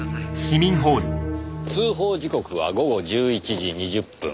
通報時刻は午後１１時２０分。